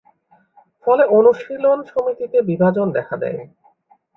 ফলে অনুশীলন সমিতিতে বিভাজন দেখা দেয়।